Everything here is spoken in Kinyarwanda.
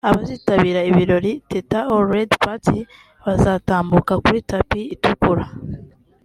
Abazitabira ibirori ‘Teta All Red Party’ bazatambuka kuri tapis itukura